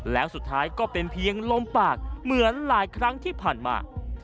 แล้วสุดท้ายก็เป็นเพียงลมปากเหมือนหลายครั้งที่ผ่านมา